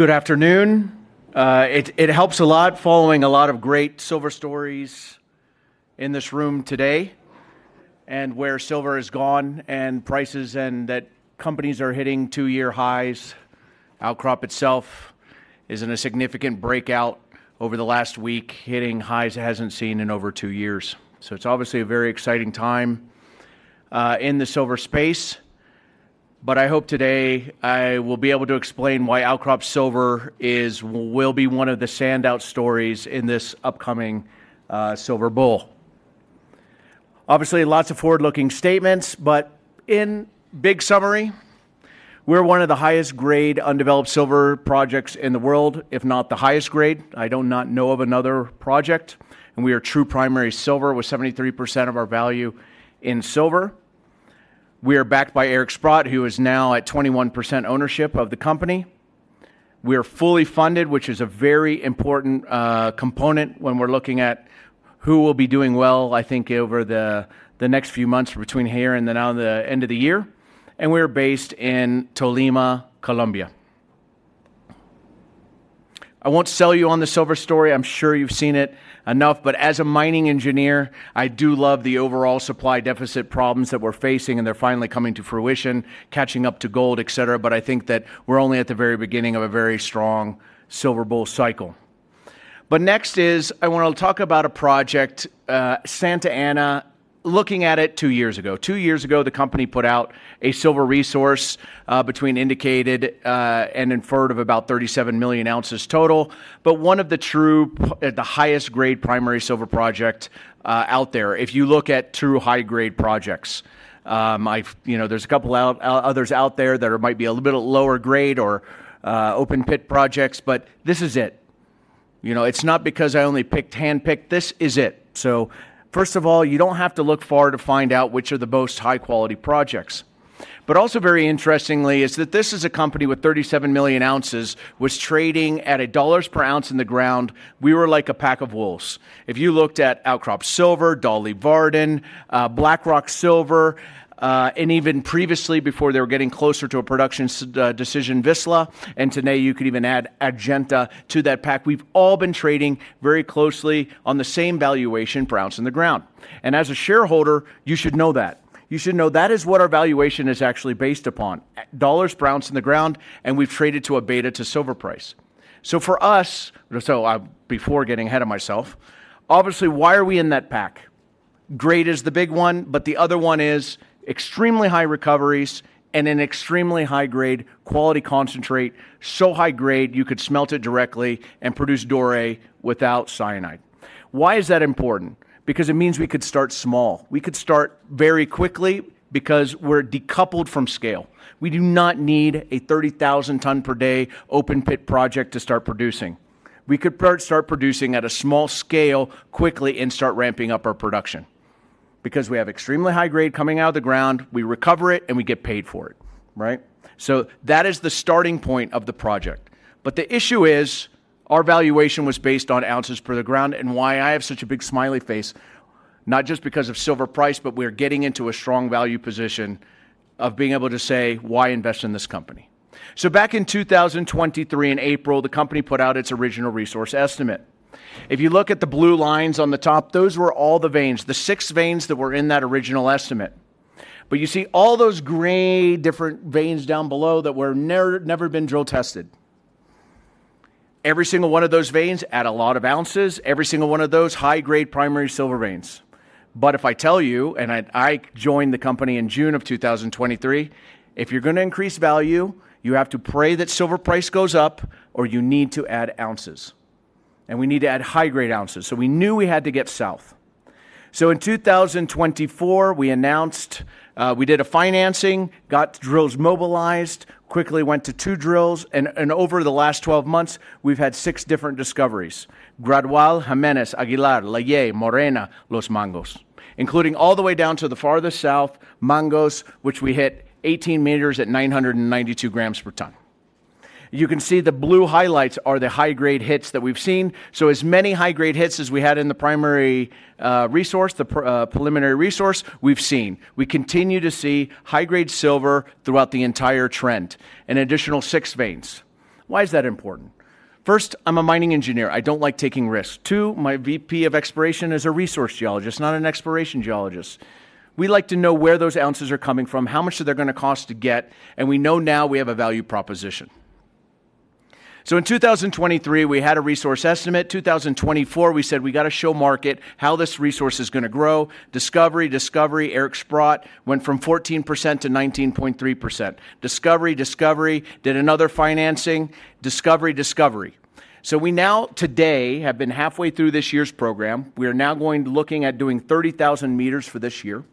Good afternoon. It helps a lot following a lot of great silver stories in this room today and where silver has gone and prices and that companies are hitting two-year highs. Outcrop itself is in a significant breakout over the last week, hitting highs it hasn't seen in over two years. It's obviously a very exciting time in the silver space. I hope today I will be able to explain why Outcrop Silver & Gold will be one of the standout stories in this upcoming silver bull. Obviously, lots of forward-looking statements, but in big summary, we're one of the highest-grade undeveloped silver projects in the world, if not the highest grade. I do not know of another project, and we are true primary silver with 73% of our value in silver. We are backed by Eric Sprott, who is now at 21% ownership of the company. We are fully funded, which is a very important component when we're looking at who will be doing well, I think, over the next few months between here and then on the end of the year. We are based in Tolima, Colombia. I won't sell you on the silver story. I'm sure you've seen it enough. As a mining engineer, I do love the overall supply deficit problems that we're facing, and they're finally coming to fruition, catching up to gold, etc. I think that we're only at the very beginning of a very strong silver bull cycle. Next is I want to talk about a project, Santa Ana, looking at it two years ago. Two years ago, the company put out a silver resource between indicated and inferred of about 37 million ounces total, but one of the true, the highest-grade primary silver projects out there. If you look at true high-grade projects, there's a couple of others out there that might be a little bit lower grade or open pit projects, but this is it. It's not because I only picked handpicked. This is it. First of all, you don't have to look far to find out which are the most high-quality projects. Also very interestingly is that this is a company with 37 million ounces, was trading at $1 per ounce in the ground. We were like a pack of wolves. If you looked at Outcrop Silver & Gold, Dolly Varden, BlackRock Silver, and even previously before they were getting closer to a production decision, Vizsla, and today you could even add Agnico to that pack, we've all been trading very closely on the same valuation per ounce in the ground. As a shareholder, you should know that. You should know that is what our valuation is actually based upon, dollars per ounce in the ground, and we've traded to a beta to silver price. For us, before getting ahead of myself, obviously, why are we in that pack? Grade is the big one, but the other one is extremely high recoveries and an extremely high-grade quality concentrate, so high grade you could smelt it directly and produce doré without cyanide. Why is that important? It means we could start small. We could start very quickly because we're decoupled from scale. We do not need a 30,000-ton per day open pit project to start producing. We could start producing at a small scale quickly and start ramping up our production because we have extremely high grade coming out of the ground. We recover it and we get paid for it. That is the starting point of the project. The issue is our valuation was based on ounces per the ground and why I have such a big smiley face, not just because of silver price, but we're getting into a strong value position of being able to say, why invest in this company? Back in 2023, in April, the company put out its original resource estimate. If you look at the blue lines on the top, those were all the veins, the six veins that were in that original estimate. You see all those gray different veins down below that were never drill tested. Every single one of those veins add a lot of ounces. Every single one of those high-grade primary silver veins. If I tell you, and I joined the company in June of 2023, if you're going to increase value, you have to pray that silver price goes up or you need to add ounces. We need to add high-grade ounces. We knew we had to get south. In 2024, we announced we did a financing, got drills mobilized, quickly went to two drills, and over the last 12 months, we've had six different discoveries: Gradual, Jimenez, Aguilar, Layer, Morena, Los Mangos, including all the way down to the farthest south, Mangos, which we hit 18 meters at 992 grams per ton. You can see the blue highlights are the high-grade hits that we've seen. As many high-grade hits as we had in the primary resource, the preliminary resource, we've seen. We continue to see high-grade silver throughout the entire trend and additional six veins. Why is that important? First, I'm a Mining Engineer. I don't like taking risks. Two, my VP of Exploration is a Resource Geologist, not an Exploration Geologist. We like to know where those ounces are coming from, how much they're going to cost to get, and we know now we have a value proposition. In 2023, we had a resource estimate. In 2024, we said we got to show market how this resource is going to grow. Discovery, discovery, Eric Sprott went from 14% to 19.3%. Discovery, discovery, did another financing, discovery, discovery. We now today have been halfway through this year's program. We are now going to look at doing 30,000 meters for this year.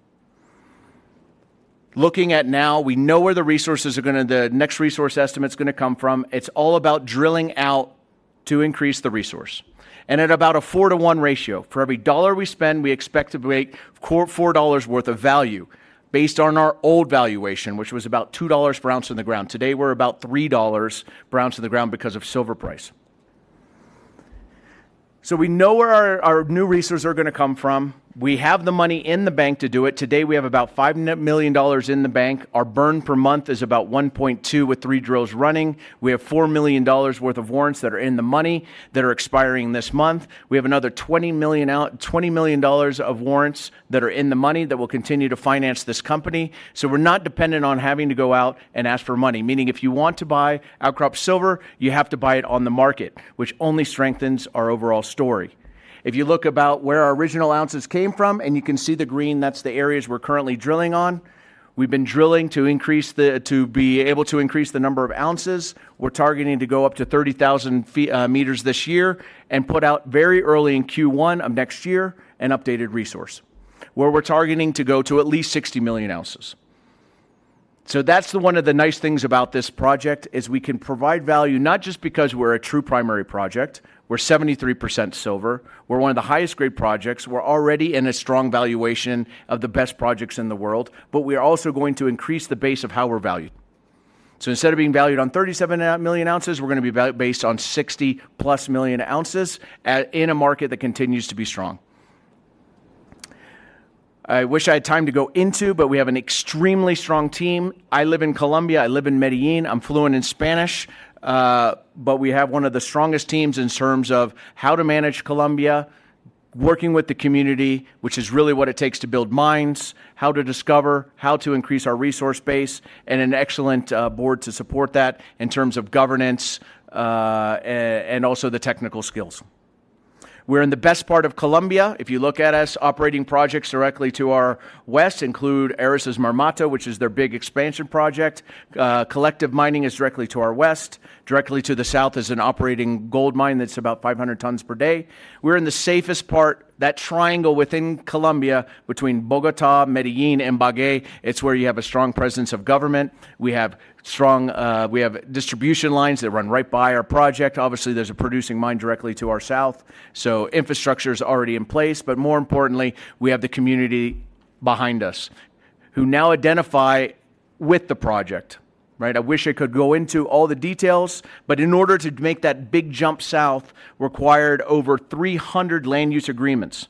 Looking at now, we know where the resources are going to, the next resource estimate is going to come from. It's all about drilling out to increase the resource. At about a four-to-one ratio, for every dollar we spend, we expect to make $4 worth of value based on our old valuation, which was about $2 per ounce in the ground. Today, we're about $3 per ounce in the ground because of silver price. We know where our new resources are going to come from. We have the money in the bank to do it. Today, we have about $5 million in the bank. Our burn per month is about $1.2 million with three drills running. We have $4 million worth of warrants that are in the money that are expiring this month. We have another $20 million of warrants that are in the money that will continue to finance this company. We're not dependent on having to go out and ask for money. Meaning, if you want to buy Outcrop Silver & Gold, you have to buy it on the market, which only strengthens our overall story. If you look about where our original ounces came from, and you can see the green, that's the areas we're currently drilling on. We've been drilling to increase the number of ounces. We're targeting to go up to 30,000 meters this year and put out very early in Q1 of next year an updated resource where we're targeting to go to at least 60 million ounces. That's one of the nice things about this project, we can provide value not just because we're a true primary silver project. We're 73% silver. We're one of the highest-grade projects. We're already in a strong valuation of the best projects in the world, but we are also going to increase the base of how we're valued. Instead of being valued on 37 million ounces, we're going to be based on 60-plus million ounces in a market that continues to be strong. I wish I had time to go into, but we have an extremely strong team. I live in Colombia. I live in Medellín. I'm fluent in Spanish, but we have one of the strongest teams in terms of how to manage Colombia, working with the community, which is really what it takes to build mines, how to discover, how to increase our resource base, and an excellent board to support that in terms of governance and also the technical skills. We're in the best part of Colombia. If you look at us, operating projects directly to our west include Aris Mining's Marmato project, which is their big expansion project. Collective Mining is directly to our west. Directly to the south is an operating gold mine that's about 500 tons per day. We're in the safest part, that triangle within Colombia between Bogotá, Medellín, and Ibagué. It's where you have a strong presence of government. We have distribution lines that run right by our project. Obviously, there's a producing mine directly to our south. Infrastructure is already in place, but more importantly, we have the community behind us who now identify with the project. I wish I could go into all the details, but in order to make that big jump south, required over 300 land use agreements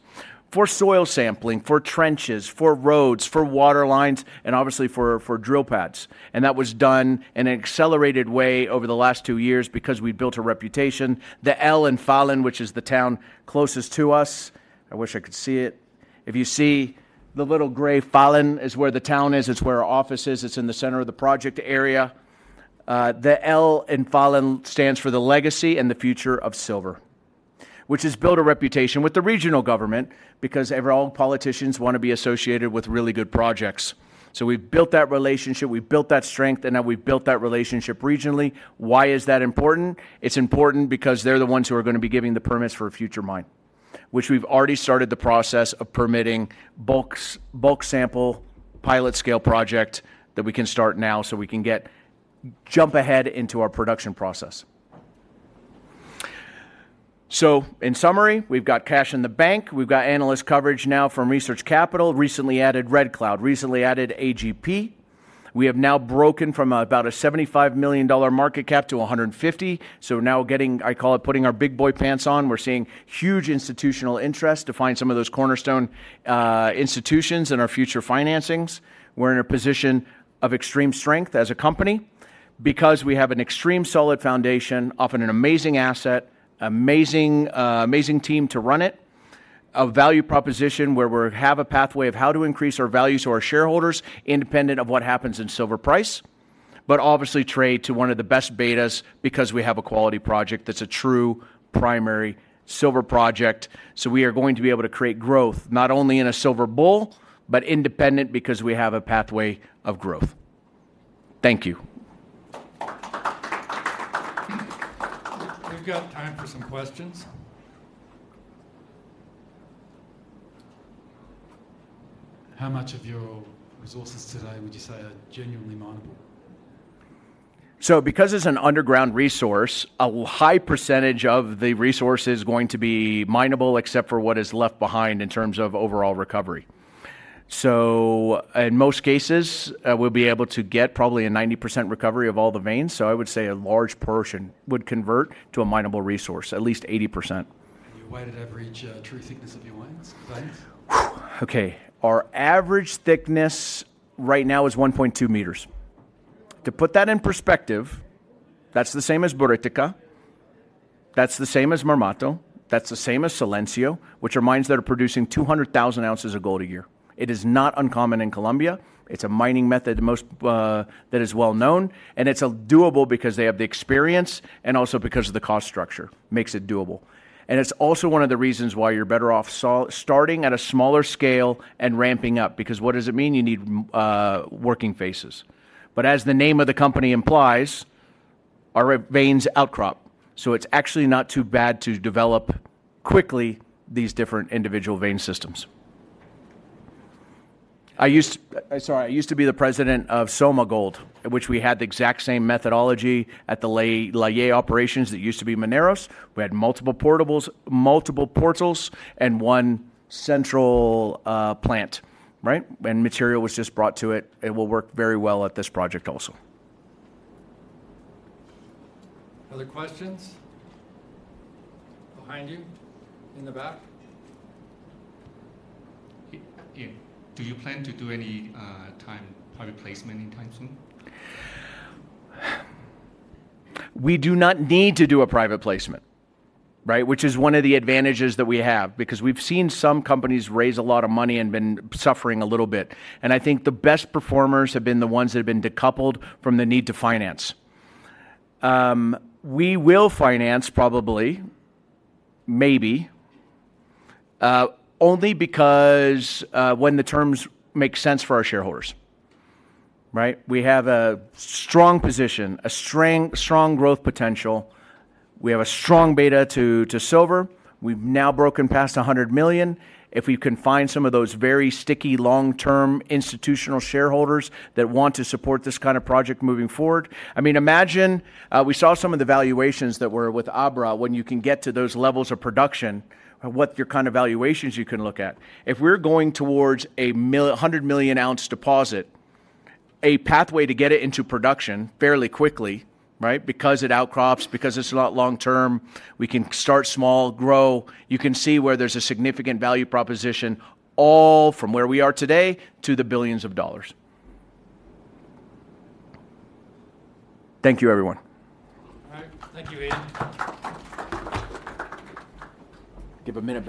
for soil sampling, for trenches, for roads, for water lines, and obviously for drill pads. That was done in an accelerated way over the last two years because we built a reputation. The L in Falan, which is the town closest to us. I wish I could see it. If you see the little gray, Falan is where the town is. It's where our office is. It's in the center of the project area. The L in Falan stands for the legacy and the future of silver, which has built a reputation with the regional government because everyone's politicians want to be associated with really good projects. We've built that relationship. We've built that strength, and now we've built that relationship regionally. Why is that important? It's important because they're the ones who are going to be giving the permits for a future mine, which we've already started the process of permitting bulk sample pilot scale project that we can start now so we can jump ahead into our production process. In summary, we've got cash in the bank. We've got analyst coverage now from Research Capital, recently added Red Cloud, recently added AGP. We have now broken from about a $75 million market cap to $150 million. Now we're getting, I call it, putting our big boy pants on. We're seeing huge institutional interest to find some of those cornerstone institutions in our future financings. We're in a position of extreme strength as a company because we have an extremely solid foundation, often an amazing asset, an amazing team to run it, a value proposition where we have a pathway of how to increase our value to our shareholders, independent of what happens in silver price, but obviously trade to one of the best betas because we have a quality project that's a true primary silver project. We are going to be able to create growth not only in a silver bull, but independent because we have a pathway of growth. Thank you. We've got time for some questions. How much of your resources today would you say are genuinely minable? Because it's an underground resource, a high percentage of the resource is going to be minable except for what is left behind in terms of overall recovery. In most cases, we'll be able to get probably a 90% recovery of all the veins. I would say a large portion would convert to a minable resource, at least 80%. Why did that reach a true thickness of your veins? Okay. Our average thickness right now is 1.2 meters. To put that in perspective, that's the same as Buritica. That's the same as the Marmato project. That's the same as Silencio, which are mines that are producing 200,000 ounces of gold a year. It is not uncommon in Colombia. It's a mining method that is well known, and it's doable because they have the experience and also because the cost structure makes it doable. It's also one of the reasons why you're better off starting at a smaller scale and ramping up because what does it mean? You need working faces. As the name of the company implies, our veins outcrop. It's actually not too bad to develop quickly these different individual vein systems. I used to be the President of Soma Gold, which had the exact same methodology at the Layer operations that used to be Mineros. We had multiple portables, multiple portals, and one central plant. Material was just brought to it. It will work very well at this project also. Other questions? Behind you, in the back? Do you plan to do any private placement any time soon? We do not need to do a private placement, right? Which is one of the advantages that we have because we've seen some companies raise a lot of money and been suffering a little bit. I think the best performers have been the ones that have been decoupled from the need to finance. We will finance probably, maybe, only because when the terms make sense for our shareholders, right? We have a strong position, a strong growth potential. We have a strong beta to silver. We've now broken past $100 million. If we can find some of those very sticky long-term institutional shareholders that want to support this kind of project moving forward, I mean, imagine we saw some of the valuations that were with Abra when you can get to those levels of production, what kind of valuations you can look at. If we're going towards a 100 million ounce deposit, a pathway to get it into production fairly quickly, right? Because it outcrops, because it's not long-term, we can start small, grow. You can see where there's a significant value proposition all from where we are today to the billions of dollars. Thank you, everyone. Thank you, Ian. Give me a minute.